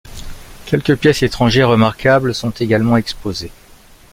Quelques pièces étrangères remarquables sont également exposées.